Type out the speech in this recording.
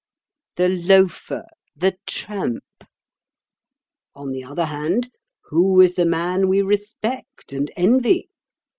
The loafer, the tramp. On the other hand, who is the man we respect and envy?